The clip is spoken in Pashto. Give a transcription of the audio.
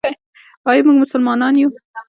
آیا موږ مسلمانان یو؟